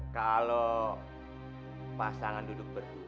kalo pasangan duduk berdua